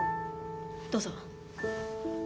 どうぞ。